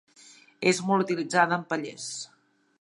És molt utilitzada en pallers.